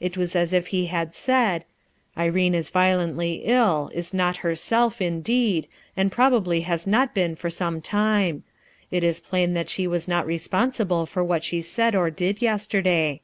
It was as if lie had said: "Irene is violently ill, is not herself, indeed and probably has not been for a long time. It i s plain that she was not responsible for what she said or did yesterday."